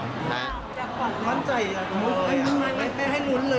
อยากปัดมันใจเลยไม่ได้ให้นุ้นเลยหรือ